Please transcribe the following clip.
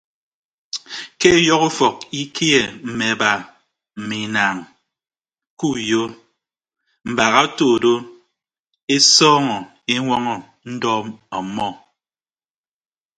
Ke ọyọhọ ufọk ikie mme aba mme inaañ ke uyo mbaak oto ke ndo esọọñọ eñwọñọ ndọ ọmmọ.